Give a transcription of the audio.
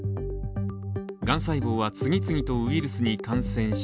癌細胞は次々とウイルスに感染し、